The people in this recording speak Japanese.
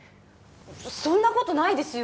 そんなことないですよ